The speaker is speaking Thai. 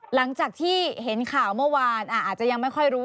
หลังจากที่เห็นข่าวเมื่อวานอาจจะยังไม่ค่อยรู้